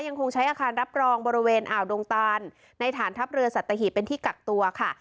ยังคงใช้อาคารรับรองบริเวณอ่าวดงตานในฐานทัพเรือสัตหีบเป็นที่กักตัวค่ะ